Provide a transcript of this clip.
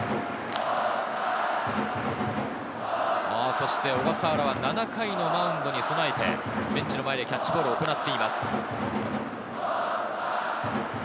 そして小笠原は７回のマウンドに備えてベンチの前でキャッチボールを行っています。